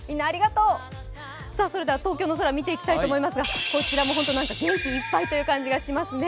それでは東京の空見ていきたいと思いますがこちらも元気いっぱいという気がしますね。